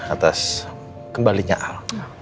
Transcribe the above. atas kembalinya al